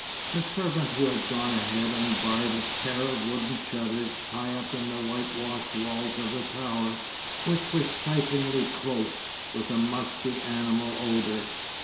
The servant who had gone ahead unbarred a pair of wooden shutters high up in the whitewashed walls of the tower, which was stiflingly close, with a musty, animal odour.